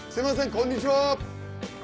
こんにちは！